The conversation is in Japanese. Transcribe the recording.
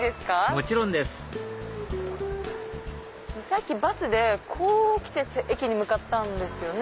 もちろんですさっきバスでこう来て駅に向かったんですよね。